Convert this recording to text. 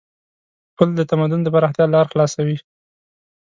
پُل د تمدن د پراختیا لار خلاصوي.